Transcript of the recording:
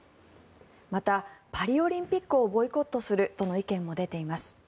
また、パリオリンピックをボイコットするとの意見も出ています。